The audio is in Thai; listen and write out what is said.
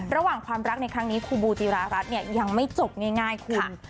ระหว่างความรักในครั้งนี้ครูบูจิรารัสยังไม่จบง่ายคุณ